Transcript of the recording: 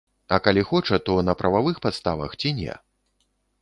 А калі хоча, то на прававых падставах ці не.